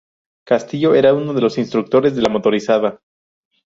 Castillo era uno de los instructores de la Motorizada.